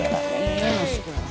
satu asap lima keluarga